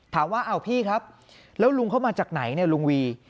ถามว่าอ้าวพี่ครับแล้วลุงเข้ามาจากไหนเนี่ยลุงวี